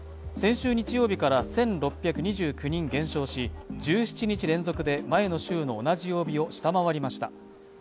先週日曜日から１６２９人減少し、１７日連続で前の週の同じ曜日を下回りました。